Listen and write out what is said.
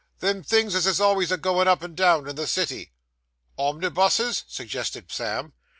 'Them things as is always a goin' up and down, in the city.' 'Omnibuses?' suggested Sam.